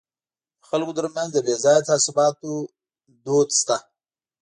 د خلکو ترمنځ د بې ځایه تعصباتو دود شته.